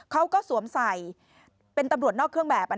สวมใส่เป็นตำรวจนอกเครื่องแบบ